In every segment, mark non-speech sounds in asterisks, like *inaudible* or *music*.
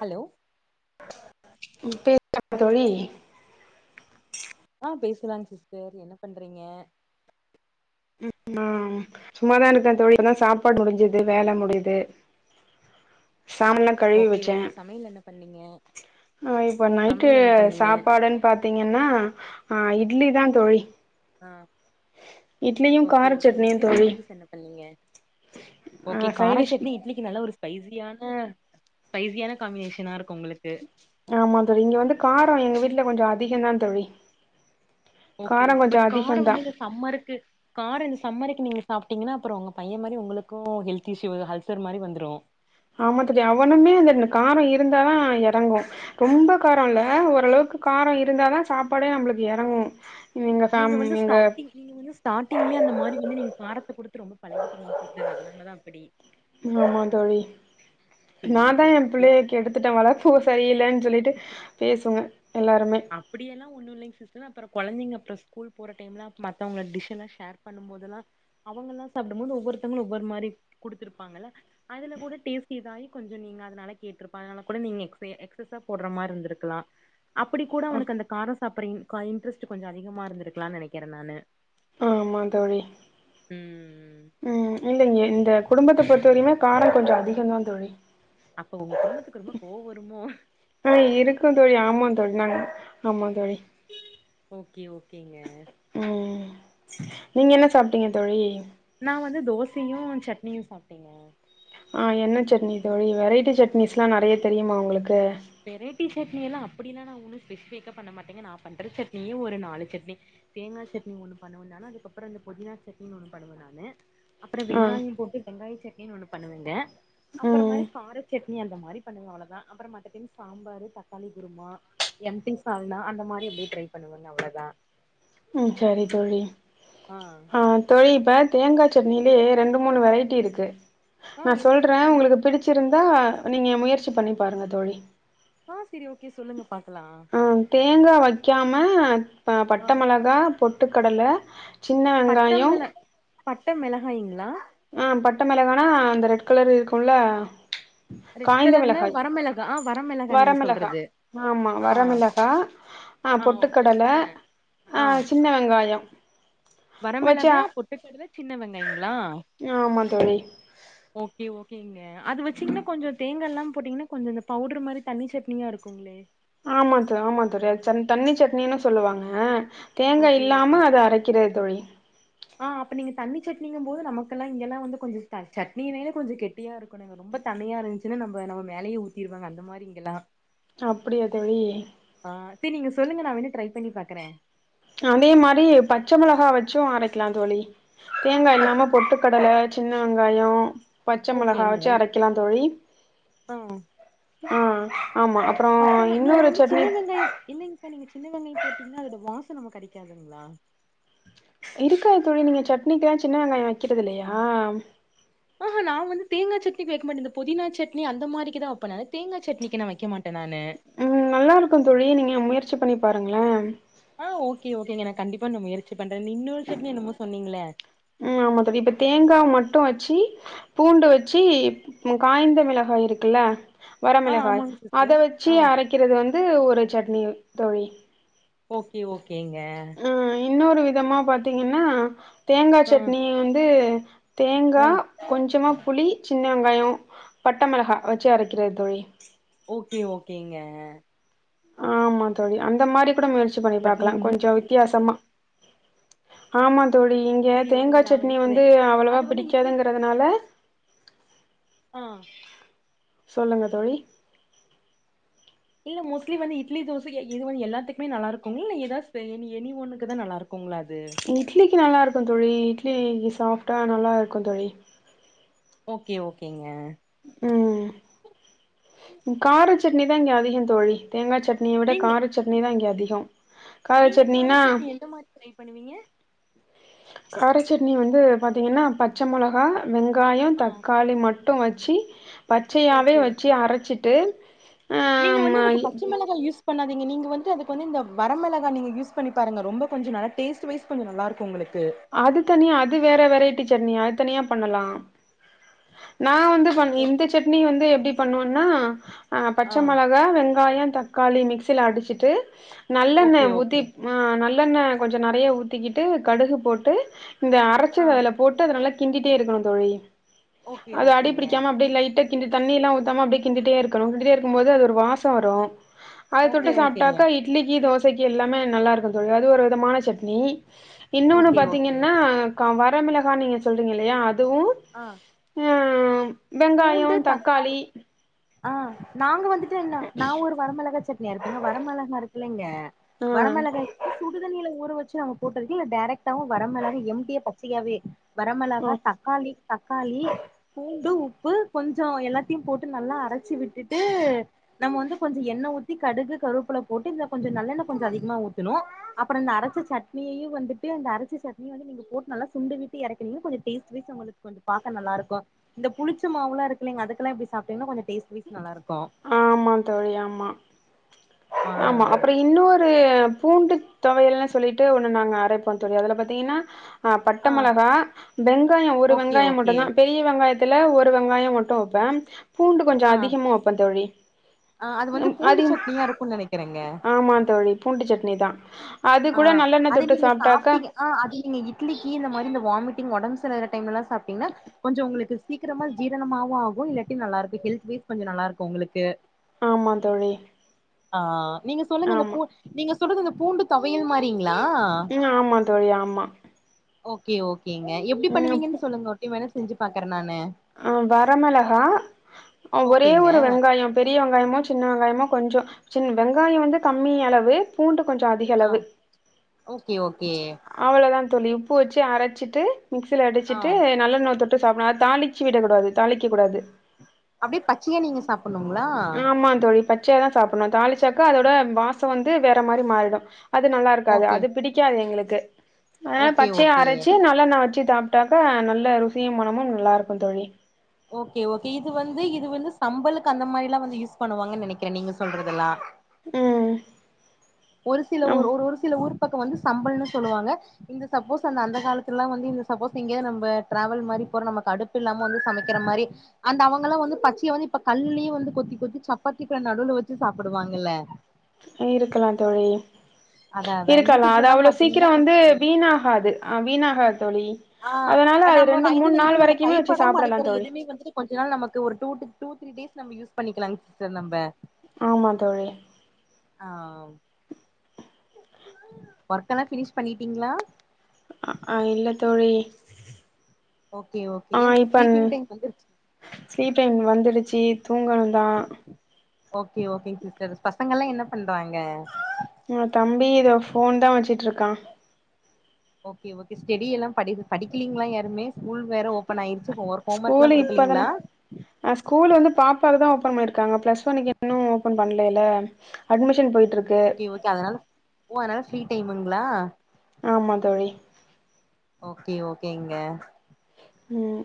Hello *inaudible* தோழி பேசலாங்க sister என்ன பண்றீங்க ஆ சும்மாதா இருக்கை தோழி இப்பதா சாப்பாடு முடிஞ்சது வேலை முடியுது *unintelligible* கழுவி ஓகே வச்சே ஓகே சமையல் என்ன பண்ணீங்க ஆ இப்ப நைட்டு சமையல் என்ன பண்ணீங்க சாப்பாடுன்னு பாத்தீங்கன்னா அ இட் இட்லி தா தோழி ஆ இட்லியு ஓகே கார ஓகேங்க சட்னியு இட்லிக்கு தோழி சைடிஸ் என்ன பண்ணீங்க ஓகே ஆ கார சைடிஷ் சட்னி இட்லிக்கு நல்ல ஒரு ஸ்பைஸியான ஸ்பைஸியான காம்பினேஷனா இருக்கு உங்களுக்கு ஆமா தோழி இங்க வந்து காரோ எங்க வீட்டுல கொஞ்சோ அதிகம் தான் தோழி ஓகே காரோ ஓகே கொஞ்சோ பட் காரோ அதிகந்தா வந்து இந்த சம்மருக்கு காரோ இந்த சம்மருக்கு நீங்க சாப்டீங்கன்னா அப்புறோ உங்க பைய மாரி உங்களுக்கு ஹெல்த் இஷ்யூ அல்சர் மாரி வந்துரு ஆமா தோழி அவனுமே அந்த காரோ இருந்தா தான் எறங்கு ரொம்ப காரோ இல்ல ஓரளவுக்கு காரோ இருந்தாதா சாப்பாடே நம்மளுக்கு எறங்கு எங்க நீங்க ஃபேம் வந்து ஸ்டாங் எங்க நீங்க வந்து ஸ்டாங்லே அந்த மாதிரி வந்து நீங்க காரத்த குடுத் டுத்து ரொம்ப பழகிட்டீங்க சிஸ்டர் அதனாலதா அப்படி ம் ஆமா தோழி சேரி நான் தா சேரி என் ஏ பிள்ளைய கெடுத்துட்டே வளர்ப்பு சரியில்லன்னு சொல்லிட்டு பேசுங்க எல்லாருமே அப்படியெல்லா ஒன்னு இல்லைங் சிஸ் இதுலா அப்புறம் கொழந்தைங்க அப்புறம் ஸ்கூல் போற டைம்லாம் மத்தவங்க டிஷ்ல்லா ஷேர் பண்ணும் போதெல்லா அவுங்கெல்லா சாப் ன்னு ஒவ்வொருத்தவங்களு ஒவ்வொரு மாரி குடுத்திப்பாங்குள்ள அதுல கூட டேஸ்ட் இதாயி கொஞ்சோ நீங்க அதனால கேட்டி இப்ப அதனால கூட நீங்க எக்ஸ்பே எக்சஸ்ஸா போட்றா மாரி இருந்திக்கலா அப் அப்படி கூட அ அவனுக்கு அந்த காரோ சாப்பட்ற இன் இன்டரஸ்ட் கொஞ்சோ அதிகமா இருந்திருக்கலான் நெனைக்கிறேன் நானு ஆமா தோழி ம் ம் இல்லைங்க இந்த குடும்பத்த பொறுத்த வரையுமே காரோ கொஞ்சோ அதிகம் தான் தோழி அப்ப உங்க குடும்பத்துக்கு ரொம்ப கோவோ வருமோ ஆ இருக்கு தோழி ஆமா தோழி நாங்க ஆமா தோழி ஓகே ஓகேங்க ம் நீங்க என்ன சாப்டீங்க தோழி நா வந்து தோசையு சட்னியு சாப்டேங்க ஆ என்ன சட்னி தோழி வெரைட்டி சட்னிஸ் எல்லா நறைய தெரியுமா உங்களுக்கு வெரைட்டி சட்னி எல்லாம் அப்டிலா நா ஒன்னு ஸ்பெசிபிக்கா பண்ண மாட்டேங்க நா பண்ற சட்னியே ஒரு நாலு சட்னி தோங்கா சட்னி ஒன்னு பண்ணுவேனா னா அதுக்கப்புறம் அந்த புதினா சட்டின்னு ஒன்னு பண்ணுவை நானு அப்புறம் ஆ வெங்காயம் போட்டு வெங்காய சட்னின்னு ஒன்னு பண்ணுவேங்க அப்புறம் மாரி ம் கார சட் னி அந்த மாதி பண்ணுவை அவ்ளதா அப்புறம் மத் சில டைம் சாம்பாரு தக்காளி குருமா எம்டி சால்னா அந்த மாரி எப்டியே ட்ரை பண்ணுவேங்க அவ்ளதா ம் சேரி தோழி ஆ தோழி இப்ப தேங்கா சட்னிலேயே ரெண்டு மூணு வெரைட்டி இருக்கு ஆ நா எந்த சொல்றே மாதிரிங்க உங்களுக்கு பிடிச்சிருந்தா நீங்க முயற்சி பண்ணி பாருங்க தோழி ஆ செரி ஓகே சொல்லுங்க பாக்கலா ஆ தேங்கா வைக்காம பட்ட ஆ மிளக பொட்டுக்கடல, சின்ன பட்ட வெங்காயோ மிள பட்ட மெளகாய்ங்ளா அ பட்ட மெளகானா அந்த ரெட் கலர் இருக்குல்ல ரெட் காய்ந்த கலர்னு மிளகாய் வர மெளகா அ வரமிளகா ஆமா ஆ வரமிளகா ஆ பொட்டுக்கடல ஆ அ சின்ன வெங்காயோ வச்சு வரமிளகா, பொட்டுக்கடல, சின்ன வெங்காய்ங்ளா ஆமா தோழி ஓகே ஓகேங்க அ அது வெச்சிங்ன்னா கொஞ்சோ தேங்கா எல்லாம் போட்டிங்னா கொஞ்சொ இந்த பவுட்ரு மாரி தண்ணி சட்னியா இருக்குங்ளே ஆமாத்த ஆமா தோழி அது சன் தண்ணி சட்னினு சொல்லுவாங்க தேங்கா ஓகே ஓகே. இல்லாம அத அரைக்கிறது தோழி ஆ அப்ப நீங்க தண்ணி சட்னிங்கம் போது நமக்கல்லா இங்கெல்லா வந்து கொஞ்சோ த சட்னினேனே கொஞ்சோ கெட்டியா இருக்கணு இங்க ரொம் ப தண்ணியா இருஞ்ச்சுனா நம்ப நம மேலையே ஊத்திருவாங்க அந்த மாரி இங்கெல்லா அப்பிடியா தோழி ஆ சரி நீங்க சொல்லுங்க நா வேணா ட்ரை பண்ணி பாக்கறே. அதே மாரி பச்ச மெளகா வெச்சு அரைக்லாந் தோழி ஆ தேங்கா பச்ச இல்லாம பொட்டுக்கடல சின்ன வெங்காயோ பச்ச மிளகா ஓகேங்க. வெச்சு அரைக்கலாந் தோழி ஆ ஆமா அப்றோ பச்சம நீங்க இன்னொரு வந்து சட்னி சின்ன வெங்காயம் இல்லிங்பா நீங்க சின்ன வெங்காயம் போட்டிங்ன்னா அதோட வாச த்து நமுக்கு அடிக்காதுங்ளா இருக்காது தோழி நீங்க சட்னிக்லா சின்ன வெங்காய வெக்கிறது இல்லையா ஆஹா நா வந்து தேங்கா சட்னிக்கு வெக்மாட்ட இந்த பொதினா சட்னி அந்த மாரிக்குதா வெப்பே நானு தேங்கா சட்னிக்கு நா வெக்க மா ம் நல்லா இருக்குந் தோழி நீங்க முயற்சி பண்ணி பாருங்களே ஆ ஒகே ஓகேங்க நா கண்டிப்பா நா முயற்சி பண்றே நி இன்னோரு சட்னி என்னமோ சொன்னிங்ள ம் ஆமா தோழி இப்ப தேங்காவ் மட்டு வச்சி பூண்டு வெச்சி பு பு காய்ந்த மிளகா அ இருக்குல்ல ஆ வரமிளகாய் ஆமாங்க அத சிஸ்டர் வெச்சி ஆ அரைக்கிறது வந்து ஒரு சட்னி தோழி ஓகே ஓகேங்க இன்னோரு விதமா பாத்திங்கன்னா தேங்கா ஆ சட்னிய வந்து தேங்கா ஆ கொஞ்சமா புளி சின் ன வெங்காயோ பட்ட மெளகா வெச்சு அரைக்கிறது தோழி ஓகே ஓகேங்க அ ஆமா தோழி அந்த மாரி கூட முயற்சி பண்ணி பட் பாக்கலா நீங்க மூ கொஞ்சோ வித்தியாசமா ஆமா தோழி இங்க செரி தேங்கா ஓகேங்க நா சட்னி என்ன சொல்றே வந்து அவ்வளவா அது வந்து இட்லி பிடிக்காதுங்கிறதுனால அ சொல்லுங்க தோழி இல்ல மோஸ்ட்லி வந்து இட்லி தோசைக்கி எ எதுவு எல்லாத்துக்மே நல்லா இருக்குங்ள் இல்ல எதா ஸ்பெ எனி எனி ஒன்னுக்குதா நல்லாருக் இட்லிக்கி நல்லாருக்குந் தோழி இட்லிகி சாஃப்டா ஓ நல்லா இருக்கு தோழி ஓகே ஓகேங்க ம் கார சட்னி தா இங்க அதிகந் தோழி தேங்காச் சட்னிய விட நீங்க கார சட்னி தா இங்க அதிகொ நீங்க கார சட்னி எந்த மாரி ட்ரை பண்ணுவிங்க காரச்சட்னி வந்து பாத்திங்கன்னா பச்ச மொளகா வெங்காயோ ஆ தக்காளி ம ட்டு வச்சி பச்சையாவே ஓகே வச்சி அரைச்சிட்டு நீங்க வந்து அதுக்கு பச்ச மெளகா யூஸ் பண்ணாதிங்க நீங்க வந்து அதுக்கு வந்து இந்த வர மெளகா நீங்க யூஸ் பண்ணி பாருங்க ரொம்பொ கொஞ்சொ நல்ல டேஸ்ட் வைஸ் கொஞ்சொ நல்லார்க்கு உங்களு அது தனியா அது வேற வெரைட்டி சட்னி அது தனியா பண்ணலா நா வந்து பண் ஓ இந்த சட்னி வந்து எப்டி பண்ணுவன்னா அ ஆ பச்ச மொளகா வெங் காயோ தக்காளி மிக்சில அடிச்சிட்டு நல்லெண்ண ஓகே ஓகே ஊத்திப் அ நல் நல்லெண்ணெ கொஞ்ச நறைய ஊத்திகிட்டு கடுகு போட்டு இந்த ஆ அரச்சத அதுல போட்டு அது நல்லா கிண்டிட் டே இருக்கணு தோழி ஓகே அது ஓகேங்க அடிபிடிக்காம அப்டே லைட்டா கிண்டி தண்ணி எல்லா ஊத்தாம அப்டே கிண்டிட்டே இருக்கணு *unintelligible* ம்மோது அது ஒரு வாசோ வரும் அத தொட்டு ஓகே ஓகேங்க சாப்ட்டாக்க இட்லிக்கு தோ சைக்கி எல்லாமே நல்லா இருக்கு தோழி அது ஒரு விதமான சட்னி இன்னொன்னு ஓகே ஓகே பாத்தீங்கன்னா க வ வரமிளகா நீங்க சொல்றீங்க இல்லையா அதுவு ஆ ம் வெங்காயோ தக்காளி ஆ நாங்க வந்துட்டு என்ன நா ஒரு வரமெளகா சட்னி அரப்பேங்க வரமெளகா இருக்கில்லைங்க ஆ வரமெளகாய் சுடுதண்ணில ஊற வெ ச்சு அவுங்க போட்டதுக்கு இல்ல டேரக்டாவு வர மெளகா எம்டியா பச்சையாவே வரமெளகா தக்காளி தக்காளி பூண்டு உப் பு கொஞ்சோ எல்லாத்தியு போட்டு நல்லா அரச்சி விட்டுட்டு நம்ம வந்து கொஞ்சு எண்ணெ ஊத்தி கடுகு கருவேப்புல போட்டு இந்த கொஞ்ச நல்லெண்ண கொஞ்ச அதிகிமா ஊத்தணு அப்புற இந்த அரச்ச சட்னியையு வந்துட்டு அந்த அரச்சி சட்னியு வந்து நீங்க போட்டு நல்லா சுண்டி விட்டு எறக்குனீங்னா கொஞ்சு டேஸ்ட் வைஸா உங்களுக் கொஞ்சோ பாக்க நல்லாருக்கு இந்த புளிச்ச மாவுல்ல இருக்கில்லைங் அதுக்கெல்லா இப்டி சாப்டீங்னா கொஞ்ச டேஸ்ட் வைஸ் நல்லாருக் ஆமா தோழி ஆமா ஆ ஆமா அப்பற இன்னொரு பூண்டு தொவையல்னு சொல்லிட்டு ஒன்னு நாங்க அரைப்போ தோழி அதுல பாத்தீங்கின்னா ஆ பட்ட மெளகா வெங்காயோ ஒரு ஓகே வெங்காயோ ஓகே மட்டுந்தா பெரிய வெங்காய த்துல ஒரு வெங்காயோ மட்டு வெப்பே பூண்டு கொஞ்சு ஆ அதிகமா வெப்பத் தோழி ஆ அது வந்து பூண்டு அதிக சட்னியா இருக்குன் நெனை ஆமா தோழி பூண்டு சட்னி தா அது ஆ கூட நல்லெண்ண அது தொட்டு நீங்க சாப்ட்டாக்கா சாப்ட்டிங்க ஆ அது நீங்க இட்லிக்கு இந்த மாரி இந்த வாமிட்டிங் ஒடம் செராகிற டைம்லலா சாப்ட்டீங்னா கொஞ்சோ உங்களுக்கு சீக்கிரமா ஜீரணமாவு ஆகு இல்லாட்டி நல்லாருக்கு ஹெல்த் வேஸ் கொஞ்சு நல் ல்லாருக்கு உங்களுக்கும் ஆமா தோழி ஆ நீங்க சொல்லுங்க இந்த ஆமா பூ நீங்க சொல்றதிந்த பூண்டு தொவையல் மாரி ம் ஆமா தோழி ஆமா ஓகே ஓகேங்க எப்டி பண்ணுவீங்கன் ம் சொல்லங்க ஒர் டைம் வேணா செஞ்சு பாக்கறே நான் ஆ வரமெளகா ஒரே ஓகேங்க ஒரு வெங்காயோ பெரிய வெங்காயமோ சின்ன வெங்காய மோ கொஞ்சோ சின் வெங்காயோ வந்து கம்மி அளவு பூண்டு கொஞ்சு ஆ அதிகளவு ஓகே ஓ அவளதா தோழி உப்பு வெச்சு அரச்சிட்டு மிக்சில ஆ அடிச்சிட்டு நல்லெண்ணோ தொ ட்டு சாப்புனு அத் தாளிச்சு விடக் கூடாது தாளிக்க கூடாது அப்டே பச்சிய நீங்க சாப்புண்ணுங்ளா சாப்புனு தாளிச்சாக்க அதோட வாச வந்து வேற மாரி மாறிடு அது நல்லா இருக்காது ஓகே அது பிடிக்காது எங்களுக் அதனால ஓகே பச்சையை ஓகே அரச்சு நல்லாண்ணெ வெச்சு சாப்ட்டாக்கா நல்லா ருசியு மணமு நல்லாருக்கு தோழி ஓகே ஓகே இது வந்து இது வந்து சம்பலுக்கு அந்த மாரிலா வந்து யூஸ் பண்ணுவாங்கன் நெனைக்கிறே நீங்க சொல்றதெல்லா ம் ஒரு சில ஊர் ஆம் ஒரு ஒரு சில ஊரு பக்கோ வந்து சம்பல்ன்னு சொல்லுவாங்க இந்த சப்போஸ் அந்த அந்த காலத்துல்லா வந்து இந்த சப்போஸ் எங்க்யோ நம்ப ட்ராவல் மாரி போற நமக்கு அடுப்பில்லாம வந்து சமைக்கிற மாரி அந்த அவங்களா வந்து பச்சிய வந்து இப்ப கல்லுலியே வந்து கொத்தி கொத்தி சக் சப்பாத்திக்கு நடுவுல வெச்சு சாப்பிடுவாங்கல்ல இருக்கலா தோழி அதா அதா இருக்கலா அது யூடியூப்லலா அவ்ளோ சீக்கிர பாத்தீங்கன்னா வந்து தெரியு வீணாகாது அ வீணாகாத் தோழி ஆ அதனால பட் அது நம்ம ந ரெண்டு மூணு இதுல நாள் இது நம்ப வரைக்குமே வச்சு கைப்படாம சாப்பிடலா அடிக்கிற தோழி எதுமே வந்துட்டு கொஞ்ச நாள் நமக்கு ஒரு டூட்டு டூ த்ரீ டேஸ் நம்ப யூஸ் பண்ணிக்கலாங் சிஸ்டர் நம்ப ஆமா தோழி ஆ ஒர்க்கெல பிஃனிஷ் பண்ணிட்டீங்ளா ஆ ஆ இல்ல தோழி ஓகே ஓகே ஆ ஏ இப்ப ஸ்லீப்பிங் டைம் வந்துருச் ச்சி தூங்கணுந்தா ஓகே ஓகே சிஸ்டர் பசங்கல்லா என்ன பண்றாங்க ஆ தம்பி இதோ ஃபோன் தா வச்சிட்டுருக்கா ஓகே ஓகே ஸ்டடி எல்லா படிக் படிக்கலீங்களா யாருமே ஸ்கூல் வேற ஓபன் ஆயிருச்சி ஒர்க் ஹோம் ஒர்க்ல்லா ஸ்கூலு இப்பதான குடுக்கலீங்களா ஓபன் பண்ணிருக்காங்க பிளஸ் ஒன்னுக்கு இன்னு ஓபன் பண்ணலல்ல அட்மிஷ ஓகே ஓகே அதனால ஓ அதனால ஃப்ரீ டைமுங்களா ஆமா தோழி ஓகே ஓகேங்க ம்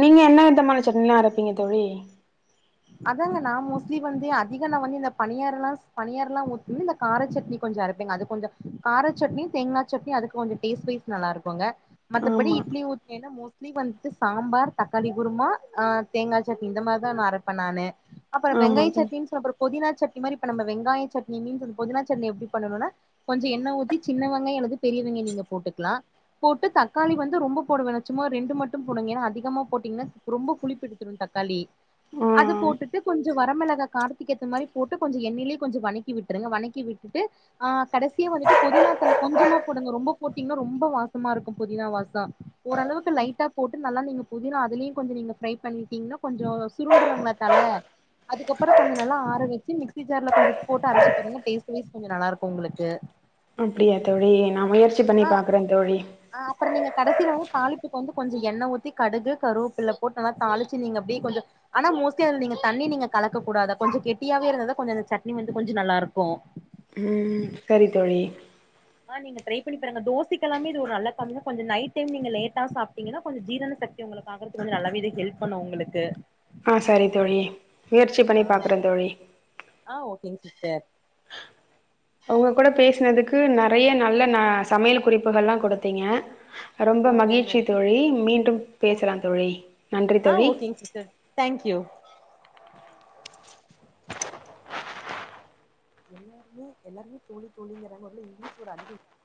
நீங்க என்ன விதமான சட்னில்லா அரப்பீங்க தோழி அதாங்க நா மோஸ்ட்லி வந்து அதிகோ நா வந்து இந்த பனியரோல்லா செய் பனியரோல்லா ஊத்துவே இந்த கார சட்னி கொஞ்சோ அரைப்பேங்க அது கொஞ்சோ கார சட்னி தேங்கா சட்னி அதுக்கு கொஞ்சோ டேஸ்ட் வைஸ் நல்லா இருக்குங்க மத்தபடி ஆமா இட்லி ஊத்துனேன்னா மோஸ் இட்லிக்கு வந்துட்டு சாம்பார் தக்காளி குருமா ஆ தேங்கா சட்னி இந்த மாரிதா நா அரைப்பே நானு அப்பற ஆமா வெங்க தோழி சட்டினின்னு சொல்ற புதினா சட்னி மாரி இப்ப நம்ம வெங்காய சட்னி மீன்ஸ் அந்த புதினா சட்னி எப்டி பண்ணனுன்னா கொஞ்சோ எண்ணெ ஊத்தி சின்ன வெங்காயோ அல்லது பெரிய வெங்காயோ நீங்க போட்டுக்லா போட்டு தக்காளி வந்து ரொம்ப போட வேணா சும்மா ரெண்டு மட்டு போடுங்க ஏன்னா அதிகமா போட்டீங்கன்னா ரொம்ப புளிப்பெடுத்துரு தக் காளி ஆ அது போட்டுட்டு கொஞ்சோ வரமிளகா காரத்துக்கேத்த மாரி போட்டு கொஞ்சோ எண்ணெயிலயே கொஞ்சோ வனக்கி விட்டுருங்க வணக்கி விட்டுட்டு ஆ கடசியா வந்துட்டு புதினா தல கொஞ்சமா போடுங்க ரொம்ப போட்டீங்கன்னா ரொம்ப வாசமா இருக்கு புதினா வாசம் ஓரளவுக்கு லைட்டா போட்டு நல்லா நீங்க புதினா அதுலயு கொஞ்சோ நீங்க ஃப்ரை பண்ணிட்டீங்கனா கொஞ்சோ சுருண் தூங்குறாங்களா தல அதுக்கப்றோ கொஞ்சோ நல்லா ஆற வச்சி மிக்சி ஜார்ல கொஞ்சோ போட்டு அரச்சி பாருங்க டேஸ்ட் வைஸ் கொஞ்சோ நல்லா இருக்கு உங்களுக்கு அப்டியா தோழி நா முயற்சி பண்ணி ஆ பாக்குறே தோழி அப்புறோ நீங்க கடைசில வந்து தாளிப்புக்கு வந்து கொஞ்ச எண்ணெ ஊத்தி கடுகு கருவேப்பில போட்டு நல்லா தாளிச்சி நீங்க அப்டியே கொஞ்சோ ஆனா மோஸ்ட்லி அதுல நீங்க தண்ணி நீங்க கலக்க கூடாது கொஞ்சோ கெட்டியாவே இருந்த தா கொஞ்சோ அந்த சட்னி வந்து கொஞ்சோ நல்லா இருக்கு ம் சரி தோழி ஆ நீங்க ட்ரை பண்ணி பாருங்க தோசைகெல்லாமே இது ஒரு நல்ல காம்பிதா கொஞ்சோ நைட் டைம் நீங்க லேட்டா சாப்டீங்கன்னா கொஞ்சோ ஜீரண சக் தி உங்களுக்கு ஆகுறதுக்கு கொஞ்சோ நல்லாவே இது ஹெல்ப் பண்ணு உங்களுக்கு ட்ரை பண்ணி ஆ பாக்குற தோழி ஆ ஓகேங்க சிஸ்டர் உங்க கூட பேசுனதுக்கு நெறய நல்ல ந சமையல் குறிப்புகல்லா குடுத்தீங்க ரொம்ப ஓகேங்க மகிழ்ச்சி தோழி மீண்டும் ஓ பேசலா தோழி நன்றி தோழி ம் எல்லாருமே எல்லாருமே தோழி தோழிங்கிறாங்க ஒரு வேல இங்கிலீஷ் வேர்டு அண்ணி